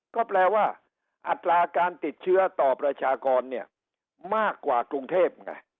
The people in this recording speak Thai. ก็แปลว่าอัตราการติดเชื้อต่อประชากรเนี่ยมากกว่ากรุงเทพไง